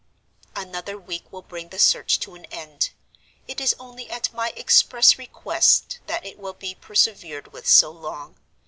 "Another week will bring the search to an end. It is only at my express request that it will be persevered with so long.